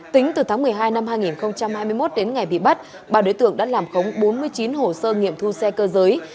tính từ tháng một mươi hai năm hai nghìn hai mươi một đến ngày bị bắt bà đối tượng đã làm khống bốn mươi chín hồ sơ nghiệm thu xe cơ giới